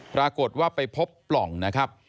ปรากฏว่าไปพบปล่องนะครับ